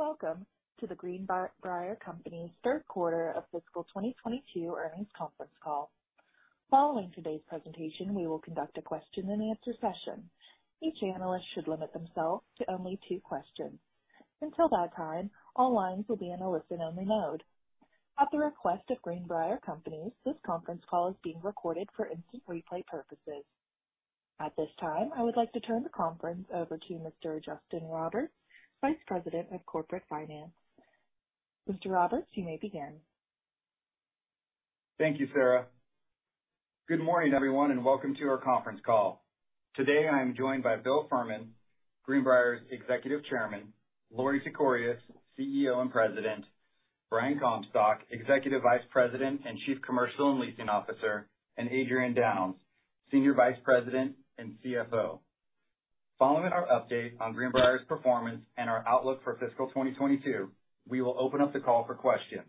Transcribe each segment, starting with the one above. Hello, and welcome to The Greenbrier Companies' third quarter of fiscal 2022 earnings conference call. Following today's presentation, we will conduct a question and answer session. Each analyst should limit themselves to only two questions. Until that time, all lines will be in a listen only mode. At the request of The Greenbrier Companies, this conference call is being recorded for instant replay purposes. At this time, I would like to turn the conference over to Mr. Justin Roberts, Vice President of Corporate Finance. Mr. Roberts, you may begin. Thank you, Sarah. Good morning, everyone, and welcome to our conference call. Today I am joined by Bill Furman, Greenbrier's Executive Chairman, Lorie Tekorius, CEO and President, Brian Comstock, Executive Vice President and Chief Commercial and Leasing Officer, and Adrian Downes, Senior Vice President and CFO. Following our update on Greenbrier's performance and our outlook for fiscal 2022, we will open up the call for questions.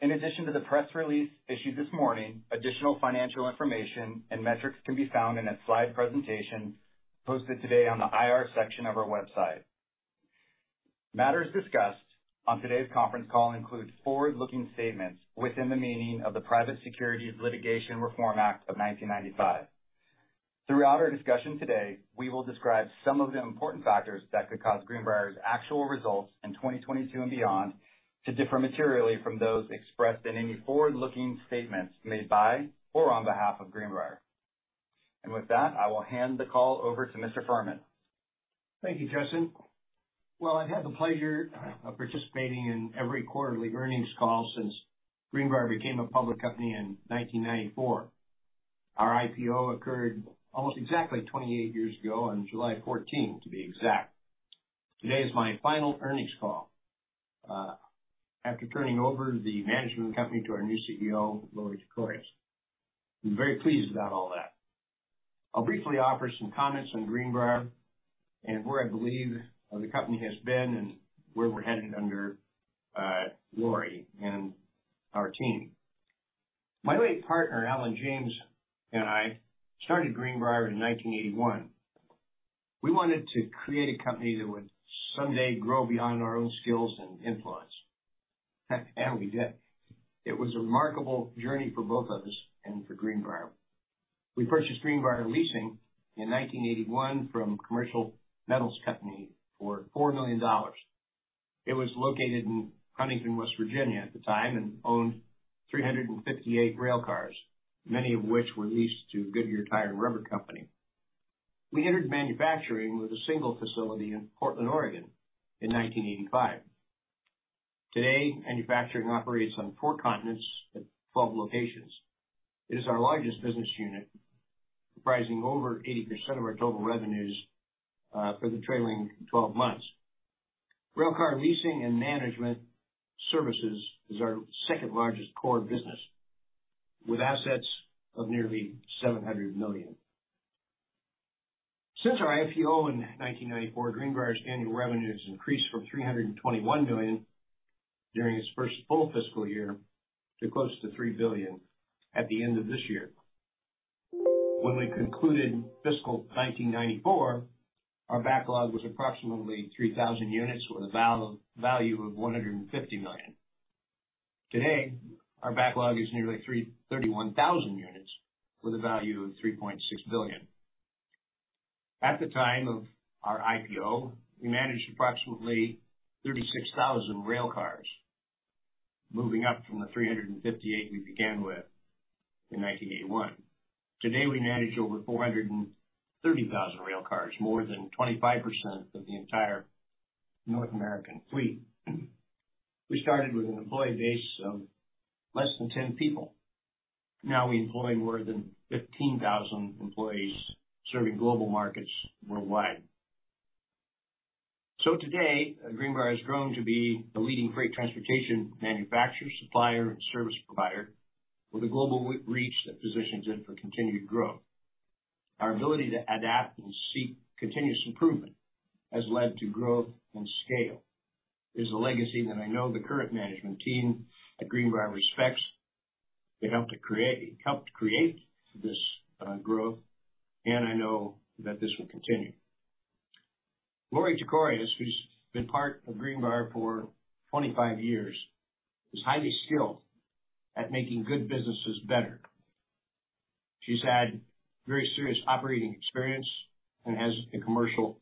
In addition to the press release issued this morning, additional financial information and metrics can be found in a slide presentation posted today on the IR section of our website. Matters discussed on today's conference call include forward-looking statements within the meaning of the Private Securities Litigation Reform Act of 1995. Throughout our discussion today, we will describe some of the important factors that could cause Greenbrier's actual results in 2022 and beyond to differ materially from those expressed in any forward-looking statements made by or on behalf of Greenbrier. With that, I will hand the call over to Mr. Furman. Thank you, Justin. While I've had the pleasure of participating in every quarterly earnings call since Greenbrier became a public company in 1994, our IPO occurred almost exactly 28 years ago on July 14, to be exact. Today is my final earnings call after turning over the management company to our new CEO, Lorie Tekorius. I'm very pleased about all that. I'll briefly offer some comments on Greenbrier and where I believe the company has been and where we're headed under Lorie and our team. My late partner, Alan James, and I started Greenbrier in 1981. We wanted to create a company that would someday grow beyond our own skills and influence. We did. It was a remarkable journey for both of us and for Greenbrier. We purchased Greenbrier Leasing in 1981 from Commercial Metals Company for $4 million. It was located in Huntington, West Virginia at the time and owned 358 railcars, many of which were leased to The Goodyear Tire & Rubber Company. We entered manufacturing with a single facility in Portland, Oregon in 1985. Today, manufacturing operates on four continents at 12 locations. It is our largest business unit, comprising over 80% of our total revenues for the trailing 12 months. Railcar leasing and management services is our second largest core business, with assets of nearly $700 million. Since our IPO in 1994, Greenbrier's annual revenues increased from $321 million during its first full fiscal year to close to $3 billion at the end of this year. When we concluded fiscal 1994, our backlog was approximately 3,000 units with a value of $150 million. Today, our backlog is nearly 31,000 units with a value of $3.6 billion. At the time of our IPO, we managed approximately 36,000 railcars, moving up from the 358 we began with in 1981. Today, we manage over 430,000 railcars, more than 25% of the entire North American fleet. We started with an employee base of less than 10 people. Now we employ more than 15,000 employees serving global markets worldwide. Today, Greenbrier has grown to be the leading freight transportation manufacturer, supplier and service provider with a global reach that positions it for continued growth. Our ability to adapt and seek continuous improvement has led to growth and scale, is a legacy that I know the current management team at Greenbrier respects. They helped create this growth, and I know that this will continue. Lorie Tekorius, who's been part of Greenbrier for 25 years, is highly skilled at making good businesses better. She's had very serious operating experience and has a commercial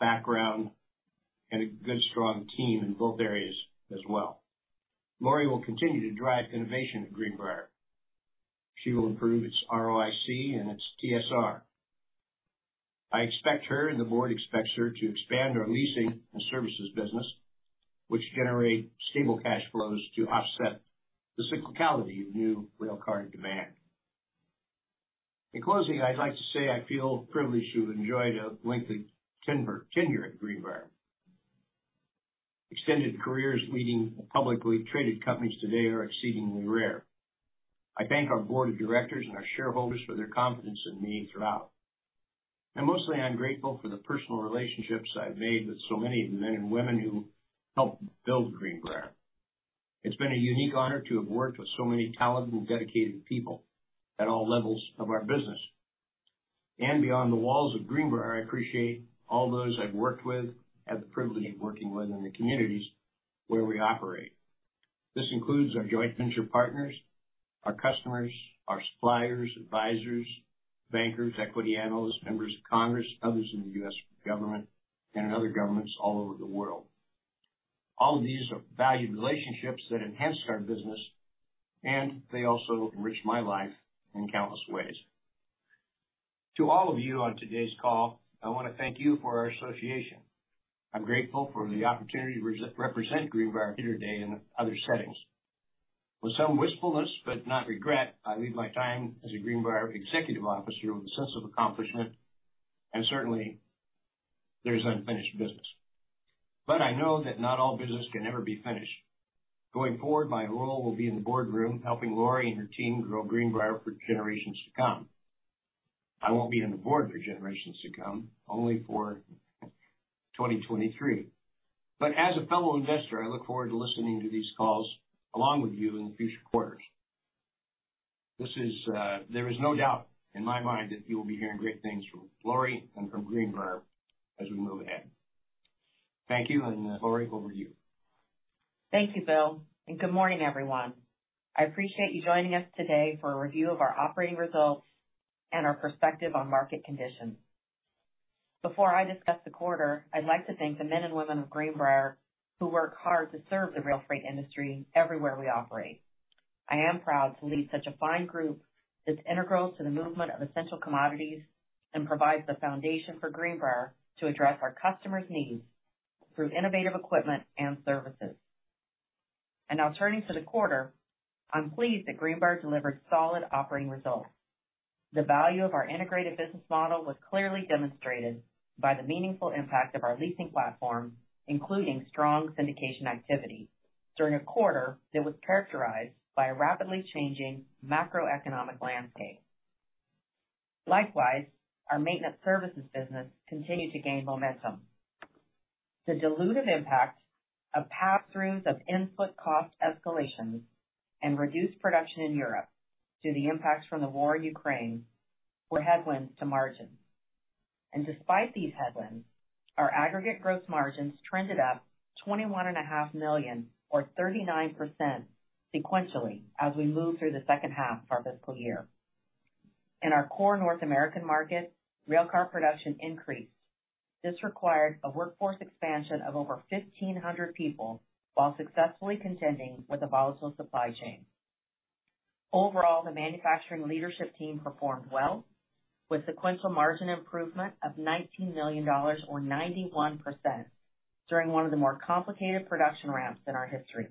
background and a good, strong team in both areas as well. Lorie will continue to drive innovation at Greenbrier. She will improve its ROIC and its TSR. I expect her, and the board expects her to expand our leasing and services business, which generate stable cash flows to offset the cyclicality of new railcar demand. In closing, I'd like to say I feel privileged to have enjoyed a lengthy tenure at Greenbrier. Extended careers leading publicly traded companies today are exceedingly rare. I thank our board of directors and our shareholders for their confidence in me throughout. Mostly, I'm grateful for the personal relationships I've made with so many of the men and women who helped build Greenbrier. It's been a unique honor to have worked with so many talented and dedicated people at all levels of our business. Beyond the walls of Greenbrier, I appreciate all those I've worked with, had the privilege of working with in the communities where we operate. This includes our joint venture partners, our customers, our suppliers, advisors, bankers, equity analysts, members of Congress, others in the U.S. government and in other governments all over the world. All of these are valued relationships that enhanced our business, and they also enriched my life in countless ways. To all of you on today's call, I wanna thank you for our association. I'm grateful for the opportunity to represent Greenbrier today in other settings. With some wistfulness, but not regret, I leave my time as a Greenbrier executive officer with a sense of accomplishment, and certainly there's unfinished business. I know that not all business can ever be finished. Going forward, my role will be in the boardroom, helping Lorie and her team grow Greenbrier for generations to come. I won't be on the board for generations to come, only for 2023. As a fellow investor, I look forward to listening to these calls along with you in future quarters. There is no doubt in my mind that you will be hearing great things from Lorie and from Greenbrier as we move ahead. Thank you, Lorie, over to you. Thank you, Bill, and good morning, everyone. I appreciate you joining us today for a review of our operating results and our perspective on market conditions. Before I discuss the quarter, I'd like to thank the men and women of Greenbrier who work hard to serve the rail freight industry everywhere we operate. I am proud to lead such a fine group that's integral to the movement of essential commodities and provides the foundation for Greenbrier to address our customers' needs through innovative equipment and services. Now turning to the quarter, I'm pleased that Greenbrier delivered solid operating results. The value of our integrated business model was clearly demonstrated by the meaningful impact of our leasing platform, including strong syndication activity during a quarter that was characterized by a rapidly changing macroeconomic landscape. Likewise, our maintenance services business continued to gain momentum. The dilutive impact of pass-throughs of input cost escalations and reduced production in Europe due to the impacts from the war in Ukraine were headwinds to margins. Despite these headwinds, our aggregate gross margins trended up $21.5 million or 39% sequentially as we move through the second half of our fiscal year. In our core North American market, railcar production increased. This required a workforce expansion of over 1,500 people while successfully contending with a volatile supply chain. Overall, the manufacturing leadership team performed well with sequential margin improvement of $19 million or 91% during one of the more complicated production ramps in our history.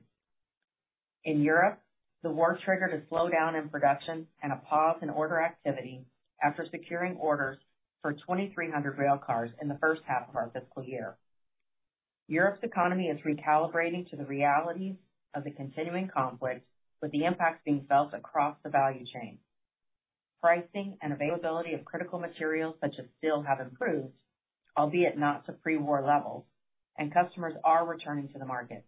In Europe, the war triggered a slowdown in production and a pause in order activity after securing orders for 2,300 railcars in the first half of our fiscal year. Europe's economy is recalibrating to the realities of the continuing conflict, with the impact being felt across the value chain. Pricing and availability of critical materials such as steel have improved, albeit not to pre-war levels, and customers are returning to the market.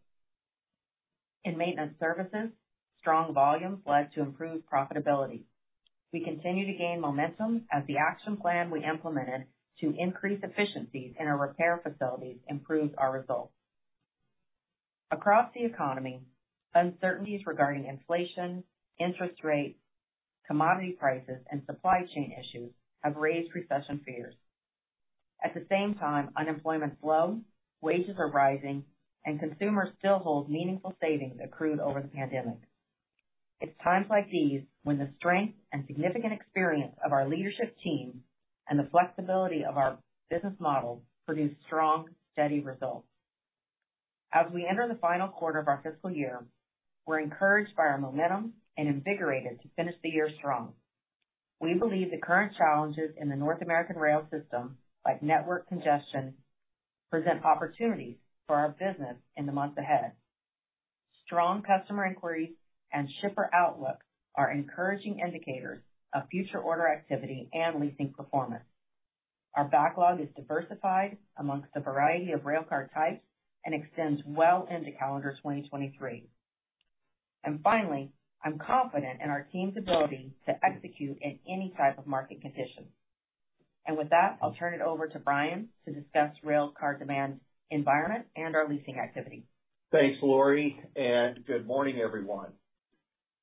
In maintenance services, strong volumes led to improved profitability. We continue to gain momentum as the action plan we implemented to increase efficiencies in our repair facilities improves our results. Across the economy, uncertainties regarding inflation, interest rates, commodity prices, and supply chain issues have raised recession fears. At the same time, unemployment is low, wages are rising, and consumers still hold meaningful savings accrued over the pandemic. It's times like these when the strength and significant experience of our leadership team and the flexibility of our business model produce strong, steady results. As we enter the final quarter of our fiscal year, we're encouraged by our momentum and invigorated to finish the year strong. We believe the current challenges in the North American rail system, like network congestion, present opportunities for our business in the months ahead. Strong customer inquiries and shipper outlook are encouraging indicators of future order activity and leasing performance. Our backlog is diversified among a variety of railcar types and extends well into calendar 2023. Finally, I'm confident in our team's ability to execute in any type of market condition. With that, I'll turn it over to Brian to discuss railcar demand environment and our leasing activity. Thanks, Lorie, and good morning, everyone.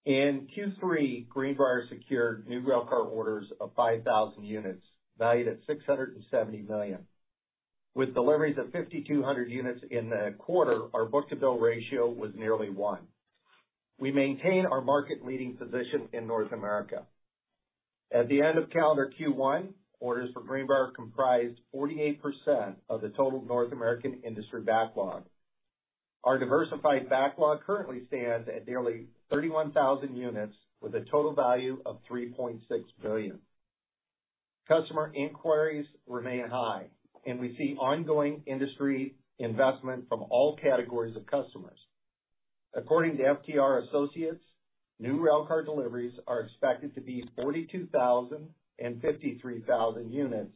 In Q3, Greenbrier secured new railcar orders of 5,000 units valued at $670 million. With deliveries of 5,200 units in the quarter, our book-to-bill ratio was nearly 1. We maintain our market-leading position in North America. At the end of calendar Q1, orders for Greenbrier comprised 48% of the total North American industry backlog. Our diversified backlog currently stands at nearly 31,000 units with a total value of $3.6 billion. Customer inquiries remain high and we see ongoing industry investment from all categories of customers. According to FTR Associates, new railcar deliveries are expected to be 42,000 units and 53,000 units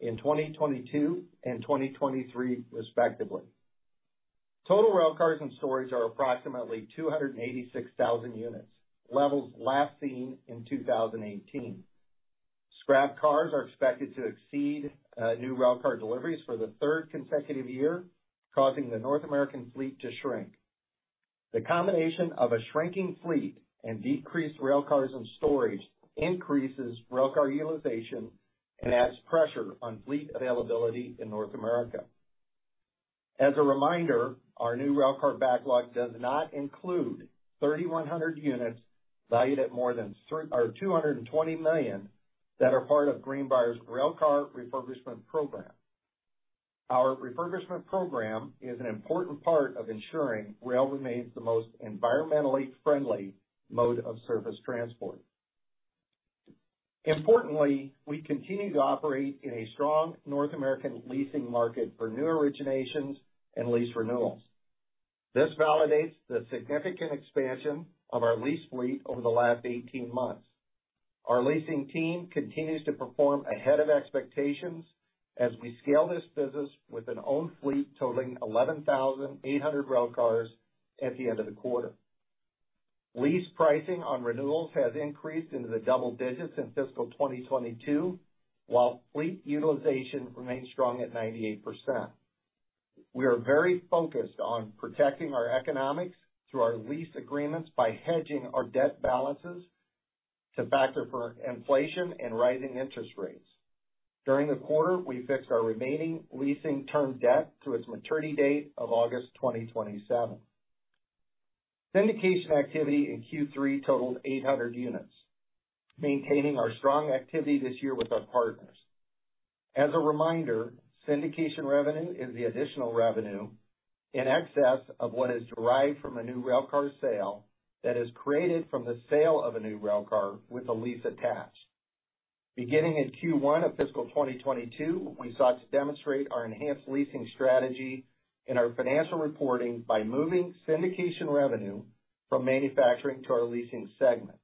in 2022 and 2023 respectively. Total railcars in storage are approximately 286,000 units, levels last seen in 2018. Scrap cars are expected to exceed new railcar deliveries for the third consecutive year, causing the North American fleet to shrink. The combination of a shrinking fleet and decreased railcars in storage increases railcar utilization and adds pressure on fleet availability in North America. As a reminder, our new railcar backlog does not include 3,100 units valued at more than $220 million that are part of Greenbrier's railcar refurbishment program. Our refurbishment program is an important part of ensuring rail remains the most environmentally friendly mode of surface transport. Importantly, we continue to operate in a strong North American leasing market for new originations and lease renewals. This validates the significant expansion of our lease fleet over the last 18 months. Our leasing team continues to perform ahead of expectations as we scale this business with an owned fleet totaling 11,800 railcars at the end of the quarter. Lease pricing on renewals has increased into the double digits in fiscal 2022, while fleet utilization remains strong at 98%. We are very focused on protecting our economics through our lease agreements by hedging our debt balances to factor for inflation and rising interest rates. During the quarter, we fixed our remaining leasing term debt to its maturity date of August 2027. Syndication activity in Q3 totaled 800 units, maintaining our strong activity this year with our partners. As a reminder, syndication revenue is the additional revenue in excess of what is derived from a new railcar sale that is created from the sale of a new railcar with a lease attached. Beginning in Q1 of fiscal 2022, we sought to demonstrate our enhanced leasing strategy in our financial reporting by moving syndication revenue from manufacturing to our leasing segment.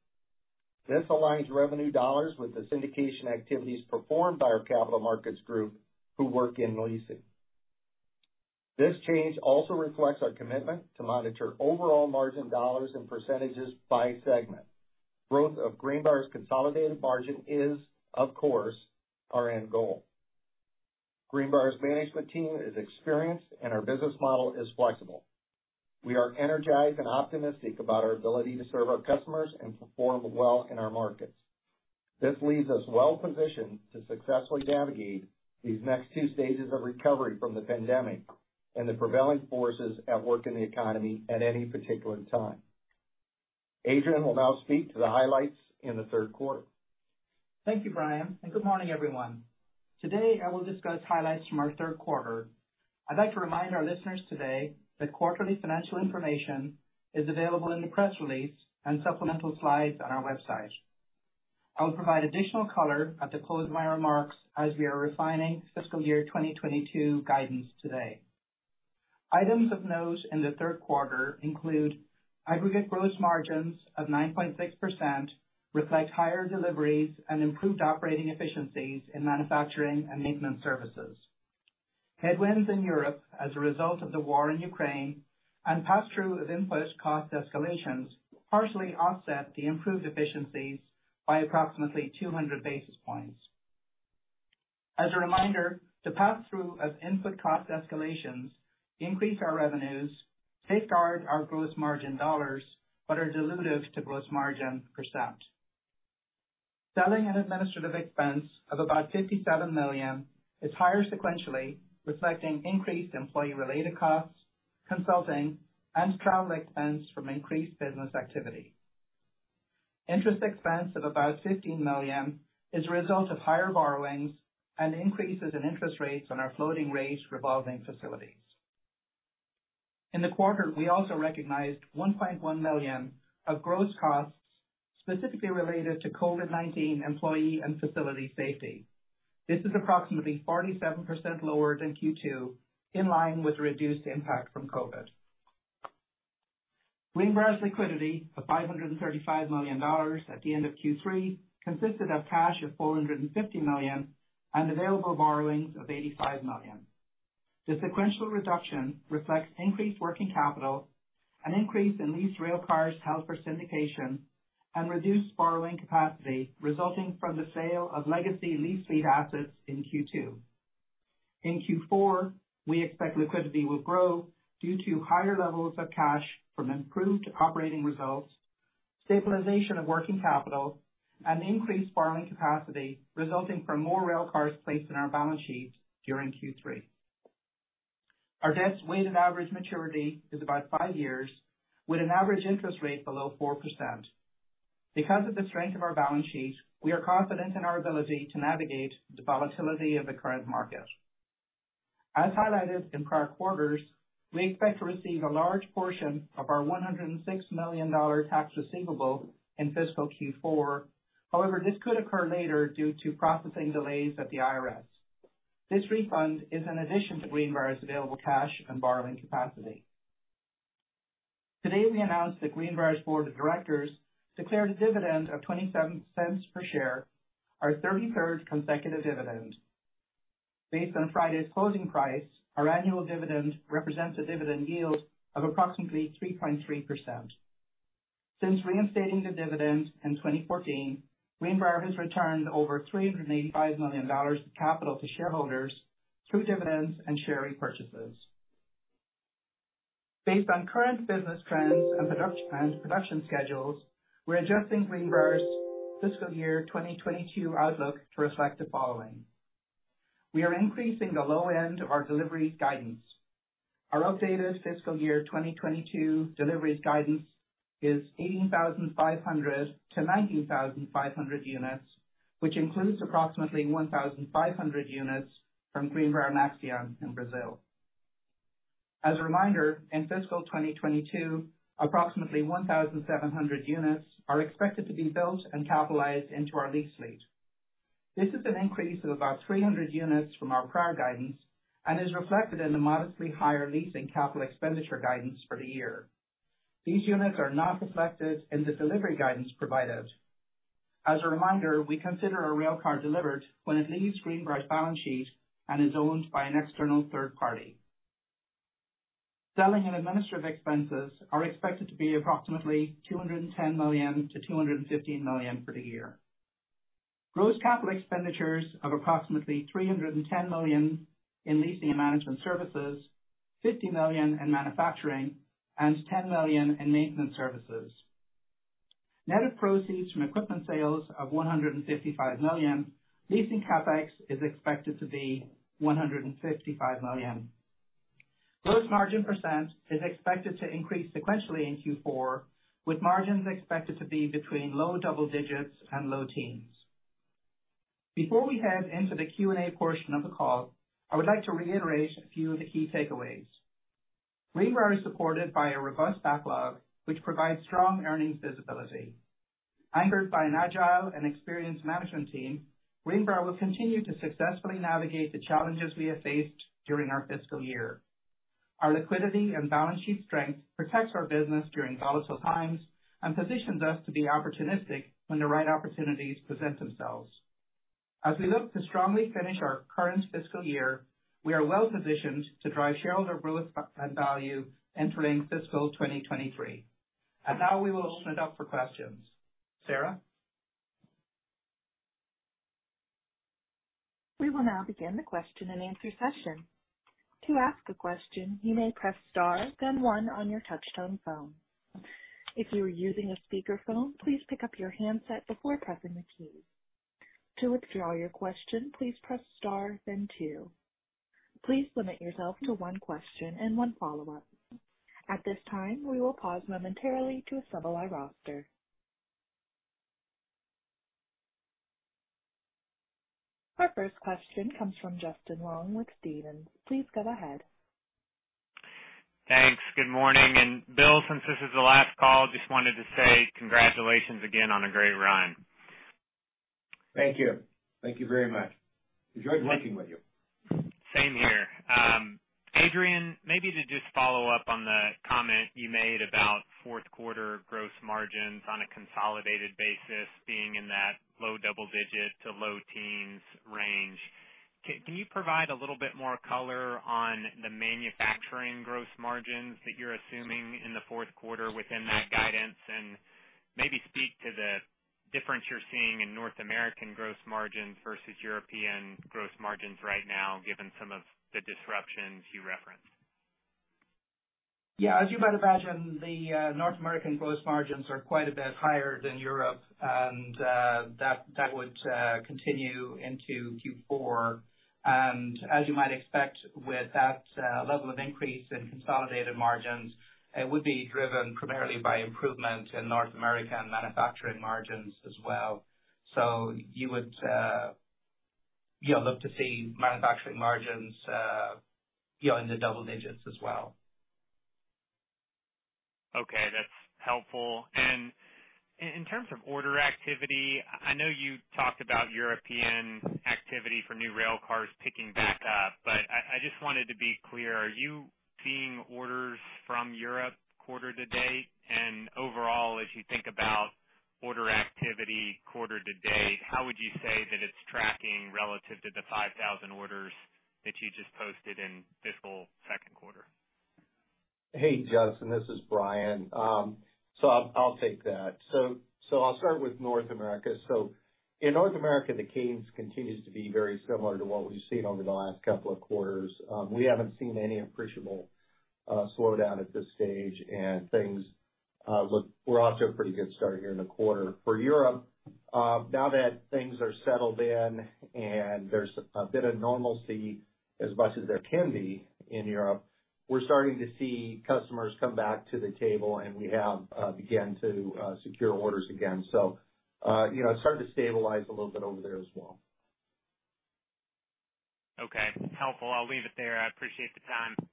This aligns revenue dollars with the syndication activities performed by our capital markets group who work in leasing. This change also reflects our commitment to monitor overall margin dollars and percentages by segment. Growth of Greenbrier's consolidated margin is, of course, our end goal. Greenbrier's management team is experienced and our business model is flexible. We are energized and optimistic about our ability to serve our customers and perform well in our markets. This leaves us well positioned to successfully navigate these next two stages of recovery from the pandemic and the prevailing forces at work in the economy at any particular time. Adrian will now speak to the highlights in the third quarter. Thank you, Brian, and good morning, everyone. Today, I will discuss highlights from our third quarter. I'd like to remind our listeners today that quarterly financial information is available in the press release and supplemental slides on our website. I will provide additional color at the close of my remarks as we are refining fiscal year 2022 guidance today. Items of note in the third quarter include aggregate gross margins of 9.6% reflect higher deliveries and improved operating efficiencies in manufacturing and maintenance services. Headwinds in Europe as a result of the war in Ukraine and passthrough of input cost escalations partially offset the improved efficiencies by approximately 200 basis points. As a reminder, the passthrough of input cost escalations increase our revenues, safeguard our gross margin dollars, but are dilutive to gross margin percent. Selling and administrative expense of about $57 million is higher sequentially, reflecting increased employee-related costs, consulting, and travel expense from increased business activity. Interest expense of about $15 million is a result of higher borrowings and increases in interest rates on our floating rate revolving facilities. In the quarter, we also recognized $1.1 million of gross costs specifically related to COVID-19 employee and facility safety. This is approximately 47% lower than Q2, in line with reduced impact from COVID. Greenbrier's liquidity of $535 million at the end of Q3 consisted of cash of $450 million and available borrowings of $85 million. The sequential reduction reflects increased working capital, an increase in leased railcars held for syndication, and reduced borrowing capacity resulting from the sale of legacy lease fleet assets in Q2. In Q4, we expect liquidity will grow due to higher levels of cash from improved operating results, stabilization of working capital, and increased borrowing capacity resulting from more railcars placed on our balance sheet during Q3. Our debt's weighted average maturity is about five years with an average interest rate below 4%. Because of the strength of our balance sheet, we are confident in our ability to navigate the volatility of the current market. As highlighted in prior quarters, we expect to receive a large portion of our $106 million tax receivable in fiscal Q4. However, this could occur later due to processing delays at the IRS. This refund is an addition to Greenbrier's available cash and borrowing capacity. Today we announced that Greenbrier's board of directors declared a dividend of $0.27 per share, our 33rd consecutive dividend. Based on Friday's closing price, our annual dividend represents a dividend yield of approximately 3.3%. Since reinstating the dividend in 2014, Greenbrier has returned over $385 million of capital to shareholders through dividends and share repurchases. Based on current business trends and production schedules, we're adjusting Greenbrier's fiscal year 2022 outlook to reflect the following. We are increasing the low end of our deliveries guidance. Our updated fiscal year 2022 deliveries guidance is 18,500 units-19,500 units, which includes approximately 1,500 units from Greenbrier-Maxion in Brazil. As a reminder, in fiscal 2022, approximately 1,700 units are expected to be built and capitalized into our lease fleet. This is an increase of about 300 units from our prior guidance and is reflected in the modestly higher leasing capital expenditure guidance for the year. These units are not reflected in the delivery guidance provided. As a reminder, we consider a railcar delivered when it leaves Greenbrier's balance sheet and is owned by an external third party. Selling and administrative expenses are expected to be approximately $210 million-$215 million for the year. Gross capital expenditures of approximately $310 million in leasing and management services, $50 million in manufacturing, and $10 million in maintenance services. Net of proceeds from equipment sales of $155 million, leasing CapEx is expected to be $155 million. Gross margin percent is expected to increase sequentially in Q4, with margins expected to be between low double digits and low teens. Before we head into the Q&A portion of the call, I would like to reiterate a few of the key takeaways. Greenbrier is supported by a robust backlog, which provides strong earnings visibility. Anchored by an agile and experienced management team, Greenbrier will continue to successfully navigate the challenges we have faced during our fiscal year. Our liquidity and balance sheet strength protects our business during volatile times and positions us to be opportunistic when the right opportunities present themselves. As we look to strongly finish our current fiscal year, we are well positioned to drive shareholder growth and value entering fiscal 2023. Now we will open it up for questions. Sarah? We will now begin the question and answer session. To ask a question, you may press star then one on your touchtone phone. If you are using a speakerphone, please pick up your handset before pressing the key. To withdraw your question, please press star then two. Please limit yourself to one question and one follow-up. At this time, we will pause momentarily to assemble our roster. Our first question comes from Justin Long with Stephens. Please go ahead. Thanks. Good morning. Bill, since this is the last call, just wanted to say congratulations again on a great run. Thank you. Thank you very much. Enjoyed working with you. Same here. Adrian, maybe to just follow up on the comment you made about fourth quarter gross margins on a consolidated basis being in that low double digit to low teens range. Can you provide a little bit more color on the manufacturing gross margins that you're assuming in the fourth quarter within that guidance, and maybe speak to the difference you're seeing in North American gross margins versus European gross margins right now, given some of the disruptions you referenced? Yeah. As you might imagine, the North American gross margins are quite a bit higher than Europe. That would continue into Q4. As you might expect with that level of increase in consolidated margins, it would be driven primarily by improvement in North American manufacturing margins as well. You would you know look to see manufacturing margins you know in the double digits as well. Okay. That's helpful. In terms of order activity, I know you talked about European activity for new railcars picking back up, but I just wanted to be clear, are you seeing orders from Europe quarter to date? Overall, as you think about order activity quarter to date, how would you say that it's tracking relative to the 5,000 orders that you just posted in fiscal second quarter? Hey, Justin, this is Brian. I'll take that. I'll start with North America. In North America, the cadence continues to be very similar to what we've seen over the last couple of quarters. We haven't seen any appreciable slowdown at this stage, and things look good. We're off to a pretty good start here in the quarter. For Europe, now that things are settled in and there's a bit of normalcy, as much as there can be in Europe, we're starting to see customers come back to the table, and we have began to secure orders again. You know, it's starting to stabilize a little bit over there as well. Okay. Helpful. I'll leave it there. I appreciate the time.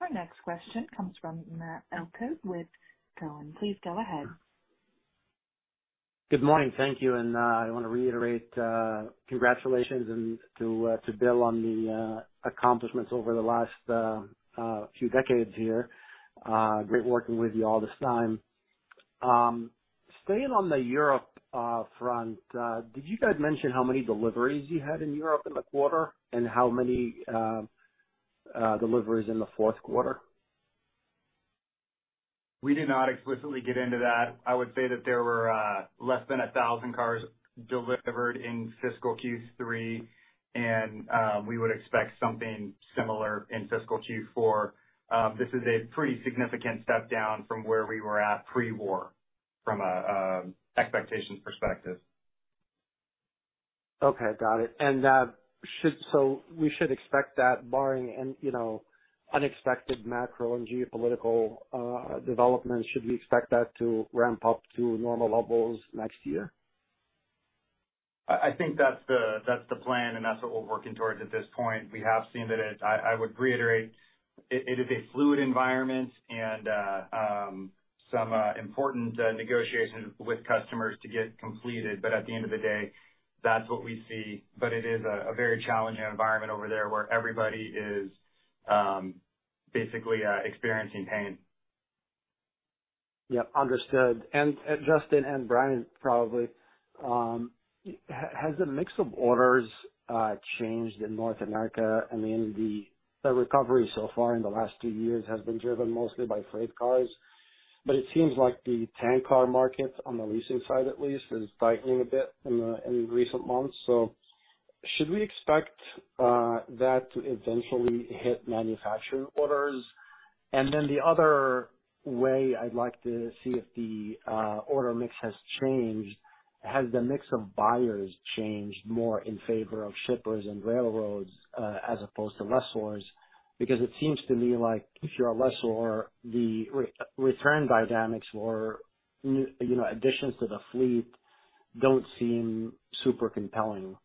Our next question comes from Matt Elkott with Cowen. Please go ahead. Good morning. Thank you. I want to reiterate congratulations to Bill on the accomplishments over the last few decades here. Great working with you all this time. Staying on the Europe front, did you guys mention how many deliveries you had in Europe in the quarter and how many deliveries in the fourth quarter? We did not explicitly get into that. I would say that there were less than 1,000 cars delivered in fiscal Q3, and we would expect something similar in fiscal Q4. This is a pretty significant step down from where we were at pre-war from a expectations perspective. Okay. Got it. So we should expect that barring any, you know, unexpected macro and geopolitical developments, should we expect that to ramp up to normal levels next year? I think that's the plan, and that's what we're working towards at this point. We have seen that. I would reiterate, it is a fluid environment and some important negotiations with customers to get completed, but at the end of the day, that's what we see. It is a very challenging environment over there where everybody is basically experiencing pain. Yeah. Understood. Justin and Brian, probably, has the mix of orders changed in North America? I mean, the recovery so far in the last two years has been driven mostly by freight cars, but it seems like the tank car market, on the leasing side at least, is tightening a bit in recent months, so should we expect that to eventually hit manufacturer orders? Then the other way I'd like to see if the order mix has changed, has the mix of buyers changed more in favor of shippers and railroads as opposed to lessors? Because it seems to me like if you're a lessor, the return dynamics or, you know, additions to the fleet don't seem super compelling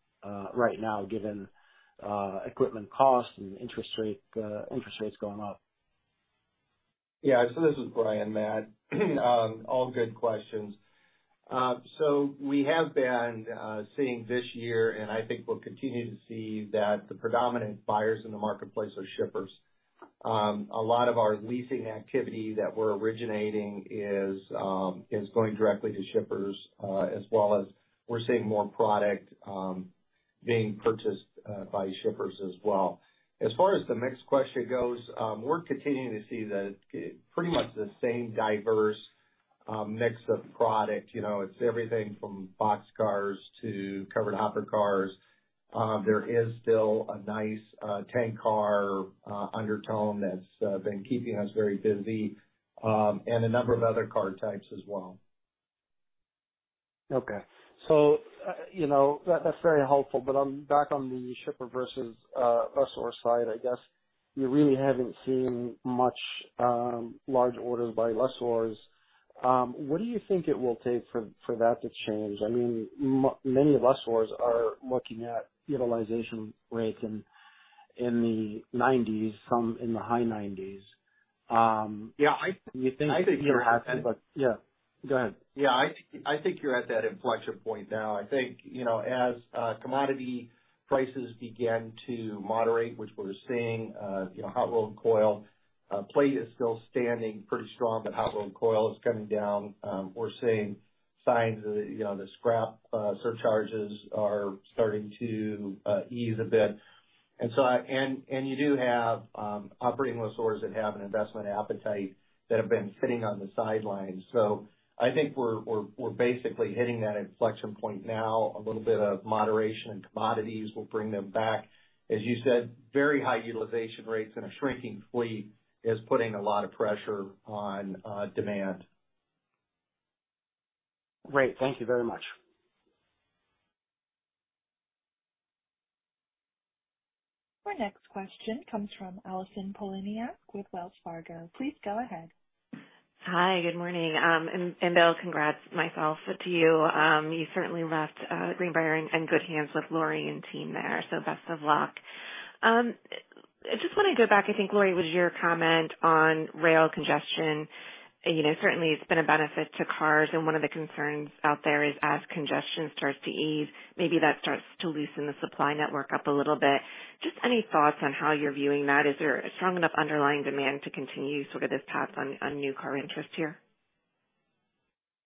right now given equipment costs and interest rates going up. Yeah. This is Brian, Matt. All good questions. We have been seeing this year, and I think we'll continue to see that the predominant buyers in the marketplace are shippers. A lot of our leasing activity that we're originating is going directly to shippers, as well as we're seeing more product being purchased by shippers as well. As far as the mixed question goes, we're continuing to see pretty much the same diverse mix of product. You know, it's everything from boxcars to covered hopper cars. There is still a nice tank car undertone that's been keeping us very busy, and a number of other car types as well. Okay. You know, that's very helpful. Back on the shipper versus lessor side, I guess you really haven't seen much large orders by lessors. What do you think it will take for that to change? I mean, many lessors are looking at utilization rates in the nineties, some in the high 90s. Yeah. Do you think? Yeah, go ahead. Yeah. I think you're at that inflection point now. I think, you know, as commodity prices begin to moderate, which we're seeing, you know, hot rolled coil, plate is still standing pretty strong, but hot rolled coil is coming down. We're seeing signs of, you know, the scrap surcharges are starting to ease a bit. And you do have operating lessors that have an investment appetite that have been sitting on the sidelines. I think we're basically hitting that inflection point now. A little bit of moderation in commodities will bring them back. As you said, very high utilization rates and a shrinking fleet is putting a lot of pressure on demand. Great. Thank you very much. Our next question comes from Allison Poliniak with Wells Fargo. Please go ahead. Hi. Good morning. Bill, congrats myself to you. You certainly left Greenbrier in good hands with Lorie and team there, so best of luck. I just wanna go back, I think, Lorie, with your comment on rail congestion. You know, certainly it's been a benefit to cars, and one of the concerns out there is as congestion starts to ease, maybe that starts to loosen the supply network up a little bit. Just any thoughts on how you're viewing that. Is there a strong enough underlying demand to continue sort of this path on new car interest here?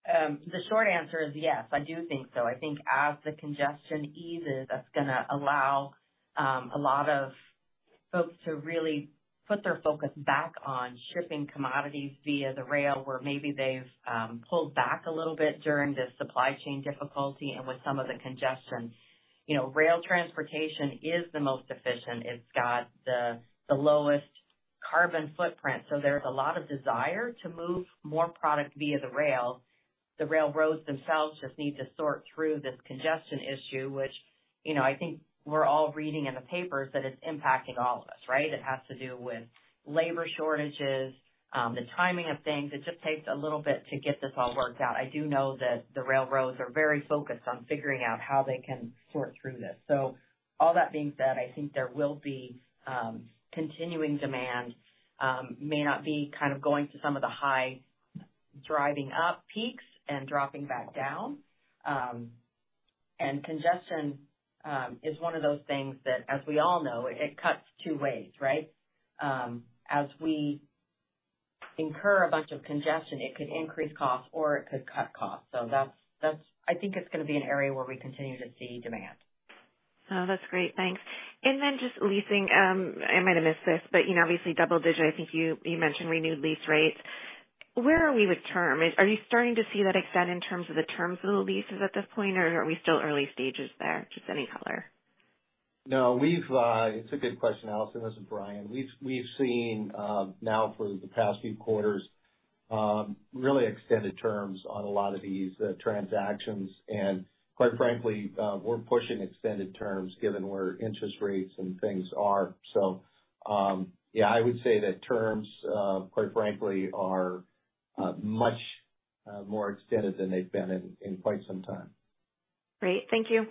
The short answer is yes, I do think so. I think as the congestion eases, that's gonna allow a lot of folks to really put their focus back on shipping commodities via the rail, where maybe they've pulled back a little bit during the supply chain difficulty and with some of the congestion. You know, rail transportation is the most efficient. It's got the lowest carbon footprint, so there's a lot of desire to move more product via the rail. The railroads themselves just need to sort through this congestion issue, which, you know, I think we're all reading in the papers that it's impacting all of us, right? It has to do with labor shortages, the timing of things. It just takes a little bit to get this all worked out. I do know that the railroads are very focused on figuring out how they can sort through this. All that being said, I think there will be continuing demand. May not be kind of going to some of the high driving up peaks and dropping back down. Congestion is one of those things that, as we all know, it cuts two ways, right? As we incur a bunch of congestion, it could increase costs or it could cut costs. That's. I think it's gonna be an area where we continue to see demand. Oh, that's great. Thanks. Just leasing. I might have missed this, but, you know, obviously double digit, I think you mentioned renewed lease rates. Where are we with term? Are you starting to see that extend in terms of the terms of the leases at this point, or are we still early stages there? Just any color. No, we've. It's a good question, Allison. This is Brian. We've seen now for the past few quarters really extended terms on a lot of these transactions. Quite frankly, we're pushing extended terms given where interest rates and things are. Yeah, I would say that terms, quite frankly, are much more extended than they've been in quite some time. Great. Thank you.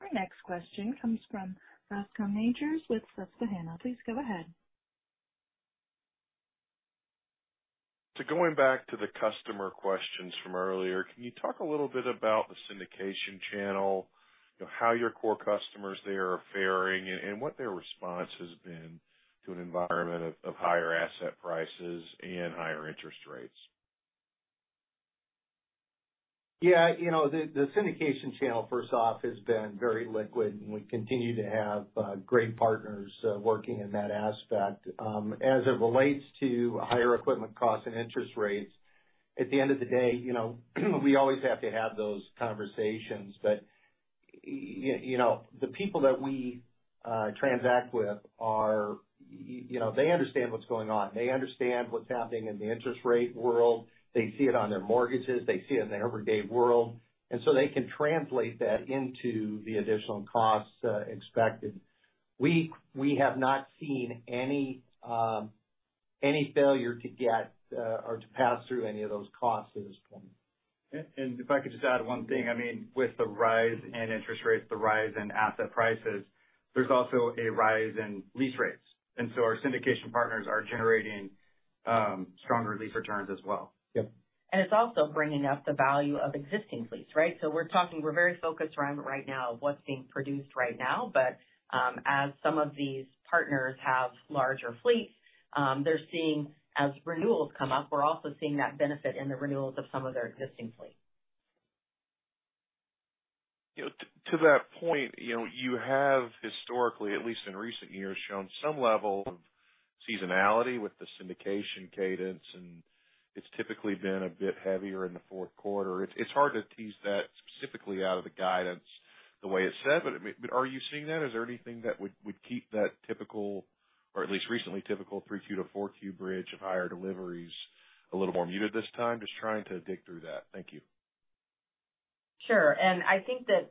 Our next question comes from Bascome Majors with Susquehanna. Please go ahead. Going back to the customer questions from earlier, can you talk a little bit about the syndication channel, you know, how your core customers there are faring, and what their response has been to an environment of higher asset prices and higher interest rates? Yeah. You know, the syndication channel, first off, has been very liquid, and we continue to have great partners working in that aspect. As it relates to higher equipment costs and interest rates, at the end of the day, you know, we always have to have those conversations. You know, the people that we transact with are, you know, they understand what's going on. They understand what's happening in the interest rate world. They see it on their mortgages, they see it in their everyday world, and so they can translate that into the additional costs expected. We have not seen any failure to get or to pass through any of those costs at this point. If I could just add one thing. I mean, with the rise in interest rates, the rise in asset prices, there's also a rise in lease rates, and so our syndication partners are generating stronger lease returns as well. Yeah. It's also bringing up the value of existing fleets, right? We're talking, we're very focused around right now what's being produced right now, but as some of these partners have larger fleets, they're seeing as renewals come up, we're also seeing that benefit in the renewals of some of their existing fleets. You know, to that point, you know, you have historically, at least in recent years, shown some level of seasonality with the syndication cadence, and it's typically been a bit heavier in the fourth quarter. It's hard to tease that specifically out of the guidance the way it's said, but, I mean, but are you seeing that? Is there anything that would keep that typical or at least recently typical 3Q to 4Q bridge of higher deliveries a little more muted this time? Just trying to dig through that. Thank you. Sure. I think that,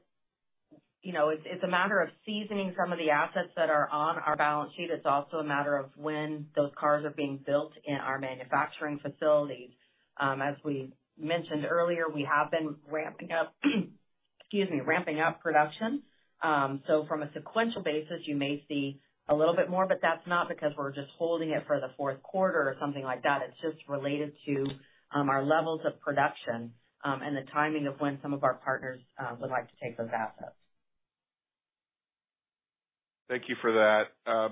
you know, it's a matter of seasoning some of the assets that are on our balance sheet. It's also a matter of when those cars are being built in our manufacturing facilities. As we mentioned earlier, we have been ramping up production. From a sequential basis, you may see a little bit more, but that's not because we're just holding it for the fourth quarter or something like that. It's just related to our levels of production and the timing of when some of our partners would like to take those assets. Thank you for that.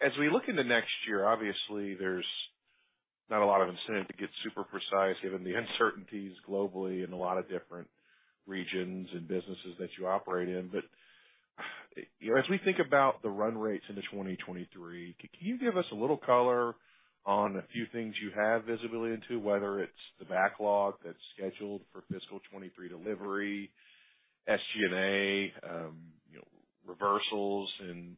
As we look in the next year, obviously there's not a lot of incentive to get super precise given the uncertainties globally in a lot of different regions and businesses that you operate in. But, you know, as we think about the run rates into 2023, can you give us a little color on a few things you have visibility into, whether it's the backlog that's scheduled for fiscal 2023 delivery, SG&A, you know, reversals in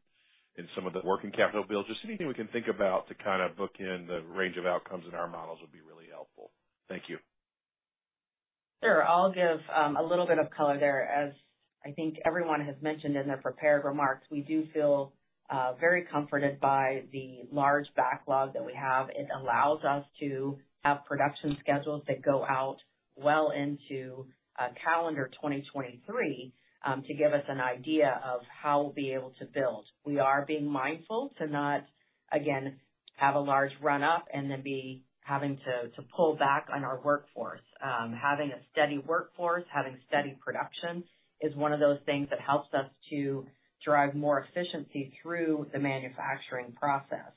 some of the working capital build? Just anything we can think about to kind of bookend the range of outcomes in our models would be really helpful. Thank you. Sure. I'll give a little bit of color there. As I think everyone has mentioned in their prepared remarks, we do feel very comforted by the large backlog that we have. It allows us to have production schedules that go out well into calendar 2023 to give us an idea of how we'll be able to build. We are being mindful to not, again, have a large run up and then be having to pull back on our workforce. Having a steady workforce, having steady production is one of those things that helps us to drive more efficiency through the manufacturing process.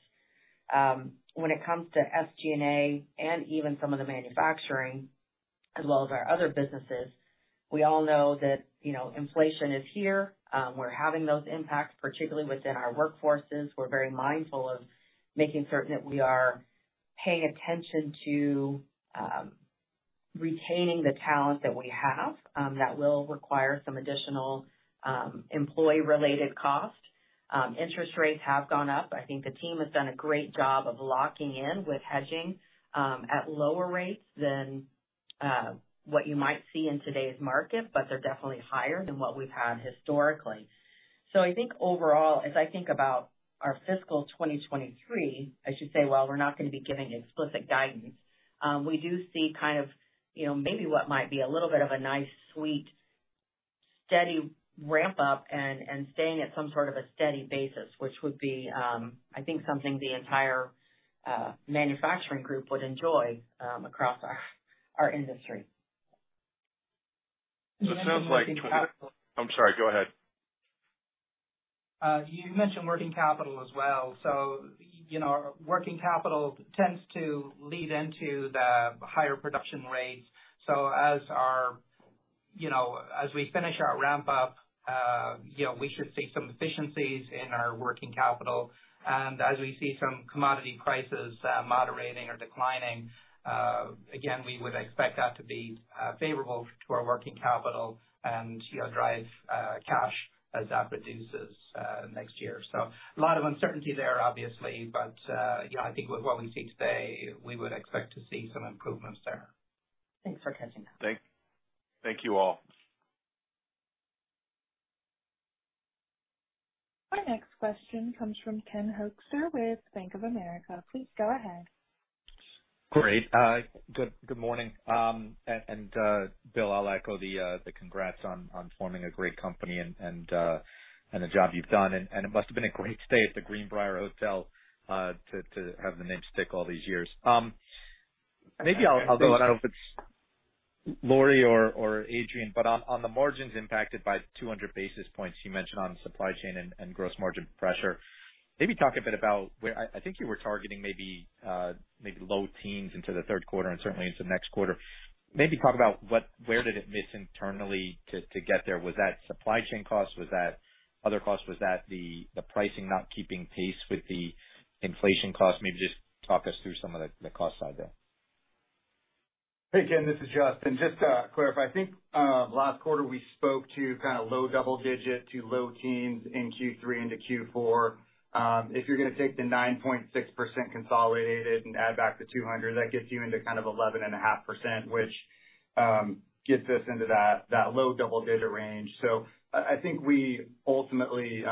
When it comes to SG&A and even some of the manufacturing, as well as our other businesses, we all know that, you know, inflation is here. We're having those impacts, particularly within our workforces. We're very mindful of making certain that we are paying attention to retaining the talent that we have. That will require some additional employee-related costs. Interest rates have gone up. I think the team has done a great job of locking in with hedging at lower rates than what you might see in today's market, but they're definitely higher than what we've had historically. I think overall, as I think about our fiscal 2023, I should say, while we're not gonna be giving explicit guidance, we do see kind of, you know, maybe what might be a little bit of a nice, sweet steady ramp up and staying at some sort of a steady basis, which would be, I think something the entire manufacturing group would enjoy across our industry. It sounds like you mentioned working capital. I'm sorry, go ahead. You mentioned working capital as well. You know, working capital tends to lead into the higher production rates. As our, you know, as we finish our ramp up, you know, we should see some efficiencies in our working capital. As we see some commodity prices moderating or declining, again, we would expect that to be favorable to our working capital and, you know, drive cash as that reduces next year. A lot of uncertainty there, obviously, but, you know, I think with what we see today, we would expect to see some improvements there. Thanks for touching that. Thank you, all. My next question comes from Ken Hoexter with Bank of America. Please go ahead. Great. Good morning. Bill, I'll echo the congrats on forming a great company and the job you've done. It must have been a great stay at The Greenbrier to have the name stick all these years. Maybe I'll go. I don't know if it's Lorie or Adrian, but on the margins impacted by 200 basis points you mentioned on supply chain and gross margin pressure. Maybe talk a bit about where I think you were targeting maybe low teens into the third quarter and certainly into next quarter. Maybe talk about where it missed internally to get there? Was that supply chain costs? Was that other costs? Was that the pricing not keeping pace with the inflation cost? Maybe just talk us through some of the cost side there. Hey, Ken, this is Justin. Just to clarify, I think last quarter we spoke to kind of low double-digit to low teens in Q3 into Q4. If you're gonna take the 9.6% consolidated and add back the 200, that gets you into kind of 11.5%, which gets us into that low double-digit range. I think we ultimately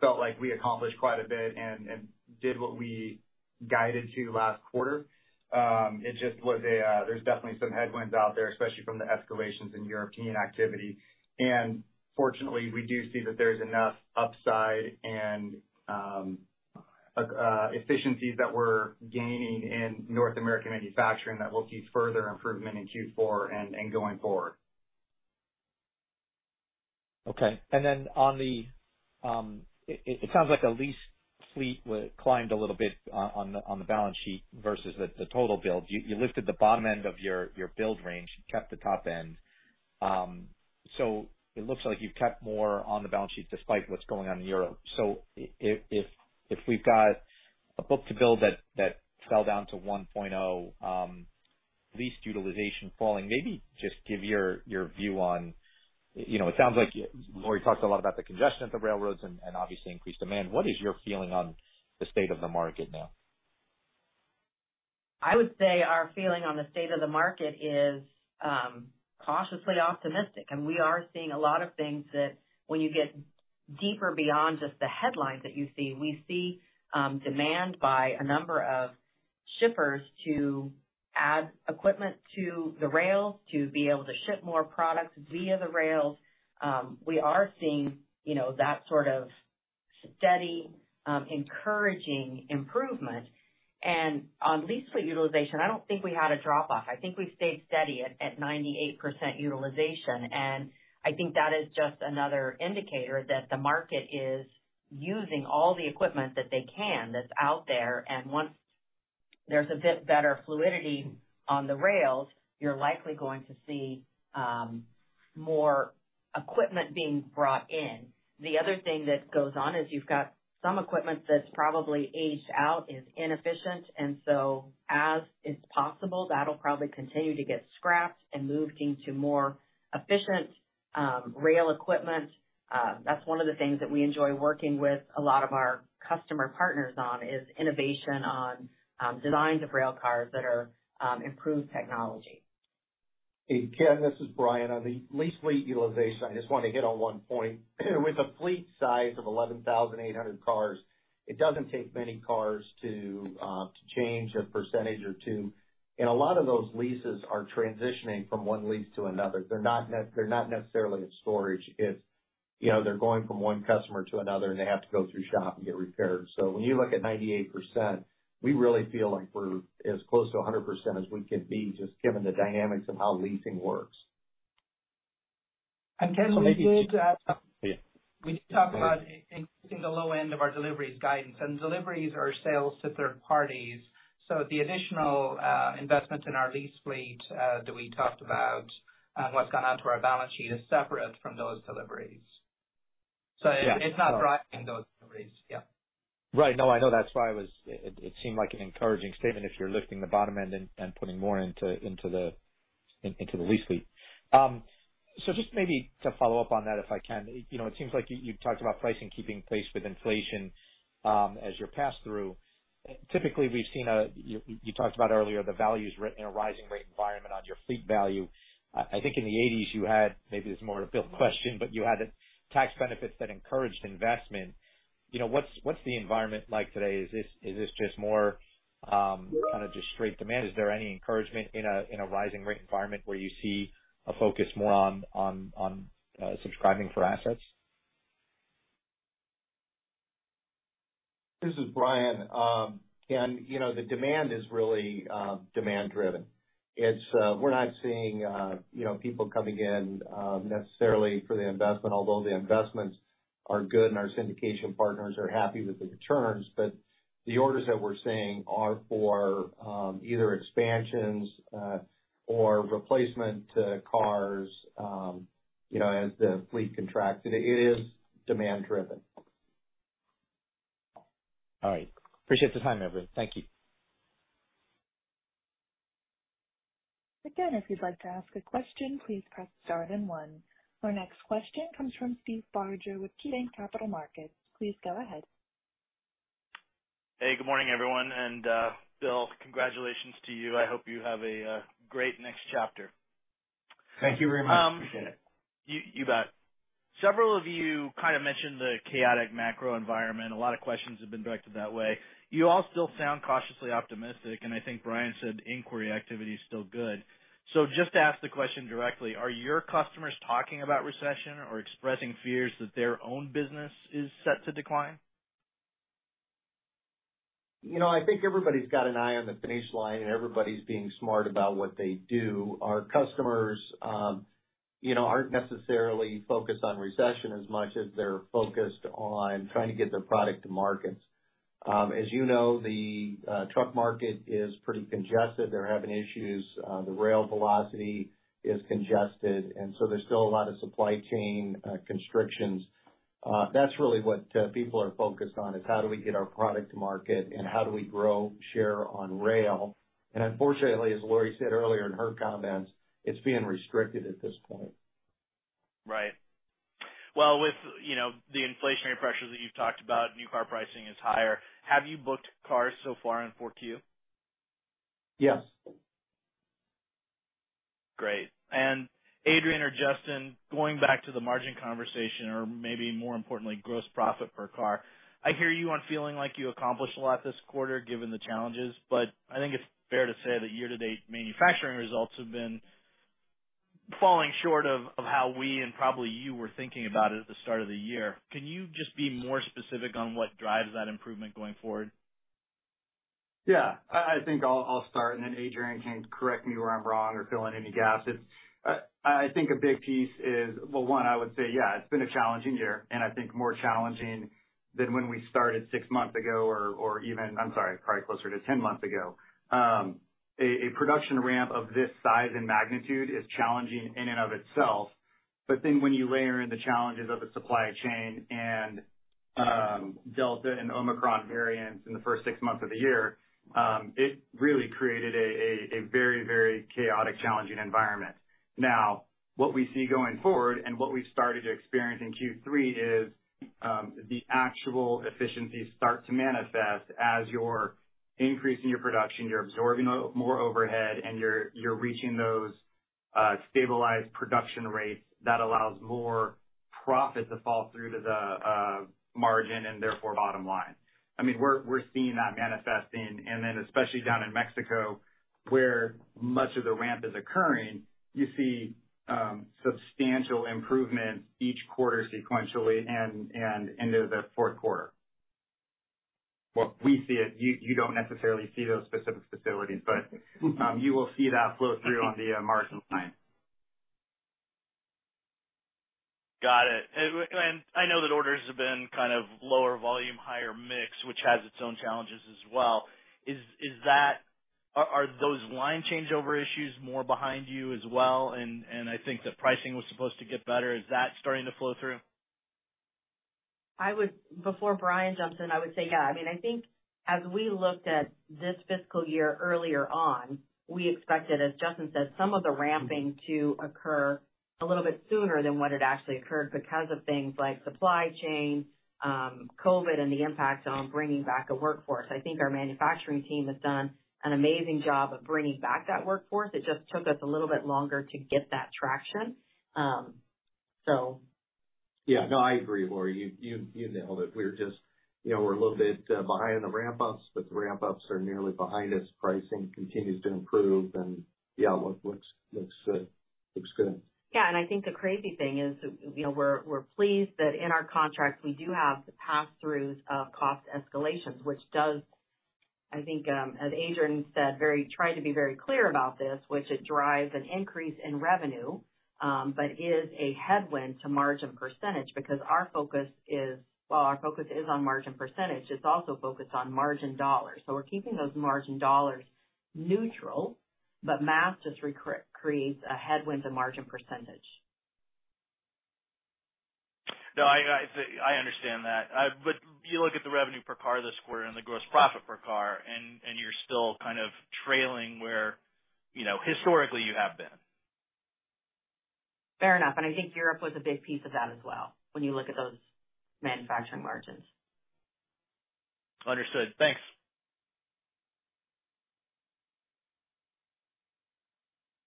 felt like we accomplished quite a bit and did what we guided to last quarter. It just was. There's definitely some headwinds out there, especially from the escalations in European activity. Fortunately, we do see that there's enough upside and efficiencies that we're gaining in North American manufacturing that we'll see further improvement in Q4 and going forward. Okay. It sounds like the lease fleet climbed a little bit on the balance sheet versus the total build. You lifted the bottom end of your build range, kept the top end. It looks like you've kept more on the balance sheet despite what's going on in Europe. If we've got a book-to-bill that fell down to 1.0, lease utilization falling, maybe just give your view on, you know, it sounds like Lorie talked a lot about the congestion at the railroads and obviously increased demand. What is your feeling on the state of the market now? I would say our feeling on the state of the market is cautiously optimistic, and we are seeing a lot of things that when you get deeper beyond just the headlines that you see, we see demand by a number of shippers to add equipment to the rails to be able to ship more products via the rails. We are seeing, you know, that sort of steady encouraging improvement. On lease fleet utilization, I don't think we had a drop off. I think we've stayed steady at 98% utilization. I think that is just another indicator that the market is using all the equipment that they can that's out there. Once there's a bit better fluidity on the rails, you're likely going to see more equipment being brought in. The other thing that goes on is you've got some equipment that's probably aged out, is inefficient, and so as is possible, that'll probably continue to get scrapped and moved into more efficient, rail equipment. That's one of the things that we enjoy working with a lot of our customer partners on, is innovation on, designs of rail cars that are, improved technology. Hey, Ken, this is Brian. On the lease fleet utilization, I just want to hit on one point. With a fleet size of 11,800 cars, it doesn't take many cars to change a percentage or two. A lot of those leases are transitioning from one lease to another. They're not necessarily in storage. It's, you know, they're going from one customer to another, and they have to go through shop and get repaired. When you look at 98%, we really feel like we're as close to 100% as we could be, just given the dynamics of how leasing works. Ken, we did. So maybe- We did talk about. Go ahead. increasing the low end of our deliveries guidance, and deliveries are sales to third parties. The additional investment in our lease fleet that we talked about, what's gone onto our balance sheet is separate from those deliveries. Yeah. It's not driving those deliveries. Yeah. Right. No, I know. That's why I was. It seemed like an encouraging statement if you're lifting the bottom end and putting more into the lease fleet. So just maybe to follow up on that, if I can, you know, it seems like you talked about pricing keeping pace with inflation as your pass through. Typically, we've seen. You talked about earlier the values written in a rising rate environment on your fleet value. I think in the eighties you had, maybe this is more of a Bill question, but you had tax benefits that encouraged investment. You know, what's the environment like today? Is this just more, kind of just straight demand? Is there any encouragement in a rising rate environment where you see a focus more on subscribing for assets? This is Brian. You know, the demand is really demand driven. It's we're not seeing you know, people coming in necessarily for the investment, although the investments are good and our syndication partners are happy with the returns. The orders that we're seeing are for either expansions or replacement cars you know, as the fleet contracts. It is demand driven. All right. Appreciate the time, everyone. Thank you. Again, if you'd like to ask a question, please press star then one. Our next question comes from Steve Barger with KeyBanc Capital Markets. Please go ahead. Hey, good morning, everyone. Bill, congratulations to you. I hope you have a great next chapter. Thank you very much. Appreciate it. You bet. Several of you kind of mentioned the chaotic macro environment. A lot of questions have been directed that way. You all still sound cautiously optimistic, and I think Brian said inquiry activity is still good. Just to ask the question directly, are your customers talking about recession or expressing fears that their own business is set to decline? You know, I think everybody's got an eye on the finish line, and everybody's being smart about what they do. Our customers, you know, aren't necessarily focused on recession as much as they're focused on trying to get their product to market. As you know, the truck market is pretty congested. They're having issues. The rail velocity is congested, and so there's still a lot of supply chain constrictions. That's really what people are focused on, is how do we get our product to market and how do we grow share on rail? Unfortunately, as Lorie said earlier in her comments, it's being restricted at this point. Right. Well, with, you know, the inflationary pressures that you've talked about, new car pricing is higher. Have you booked cars so far in Q4? Yes. Great. Adrian or Justin, going back to the margin conversation, or maybe more importantly, gross profit per car. I hear you on feeling like you accomplished a lot this quarter, given the challenges, but I think it's fair to say that year-to-date manufacturing results have been falling short of how we and probably you were thinking about it at the start of the year. Can you just be more specific on what drives that improvement going forward? Yeah. I think I'll start and then Adrian can correct me where I'm wrong or fill in any gaps. I think a big piece is. Well, one, I would say yeah, it's been a challenging year, and I think more challenging than when we started six months ago or even. I'm sorry, probably closer to 10 months ago. A production ramp of this size and magnitude is challenging in and of itself. When you layer in the challenges of the supply chain and Delta and Omicron variants in the first six months of the year, it really created a very chaotic, challenging environment. Now, what we see going forward and what we've started to experience in Q3 is the actual efficiencies start to manifest. As you're increasing your production, you're absorbing more overhead and you're reaching those stabilized production rates, that allows more profit to fall through to the margin and therefore bottom line. I mean, we're seeing that manifesting. Then especially down in Mexico, where much of the ramp is occurring, you see substantial improvements each quarter sequentially and into the fourth quarter. Well, we see it. You don't necessarily see those specific facilities, but you will see that flow through on the margin line. Got it. I know that orders have been kind of lower volume, higher mix, which has its own challenges as well. Are those line changeover issues more behind you as well? I think the pricing was supposed to get better. Is that starting to flow through? Before Brian jumps in, I would say yeah. I mean, I think as we looked at this fiscal year earlier on, we expected, as Justin said, some of the ramping to occur a little bit sooner than what had actually occurred because of things like supply chain, COVID and the impact on bringing back a workforce. I think our manufacturing team has done an amazing job of bringing back that workforce. It just took us a little bit longer to get that traction. Yeah, no, I agree, Lorie. You nailed it. We're just, you know, we're a little bit behind in the ramp ups, but the ramp ups are nearly behind us. Pricing continues to improve and yeah, looks good. I think the crazy thing is, you know, we're pleased that in our contracts we do have the pass-throughs of cost escalations, which does, I think, as Adrian said, tried to be very clear about this, which it drives an increase in revenue, but is a headwind to margin percentage because while our focus is on margin percentage, it's also focused on margin dollars. We're keeping those margin dollars neutral, but math just recreates a headwind to margin percentage. No, I understand that. You look at the revenue per car this quarter and the gross profit per car and you're still kind of trailing where, you know, historically you have been. Fair enough. I think Europe was a big piece of that as well, when you look at those manufacturing margins. Understood. Thanks.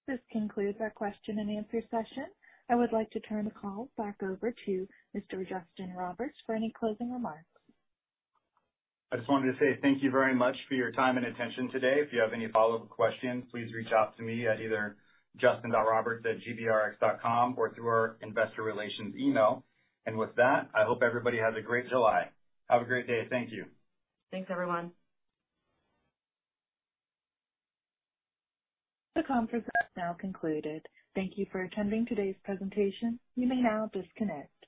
This concludes our question and answer session. I would like to turn the call back over to Mr. Justin Roberts for any closing remarks. I just wanted to say thank you very much for your time and attention today. If you have any follow-up questions, please reach out to me at either justin.roberts@gbrx.com or through our investor relations email. With that, I hope everybody has a great July. Have a great day. Thank you. Thanks, everyone. The conference has now concluded. Thank you for attending today's presentation. You may now disconnect.